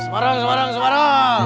semarang semarang semarang